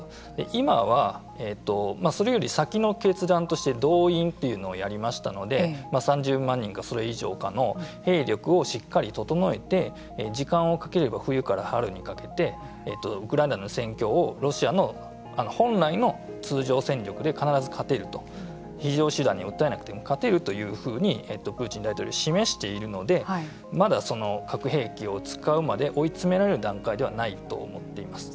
今は、それより先の決断として動員というのをやりましたので３０万人かそれ以上かの兵力をしっかり整えて時間をかければ冬から春にかけてウクライナの戦況をロシアの本来の通常戦力で必ず勝てると非常手段に訴えなくても勝てるとプーチン大統領は示しているのでまだ核兵器を使うまで追い詰められる段階ではないと思っています。